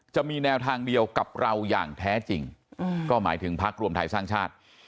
จะมีแนวทางเดียวกับเราอย่างแท้จริงก็หมายถึงพักรวมไทยสร้างชาติ